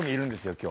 今日。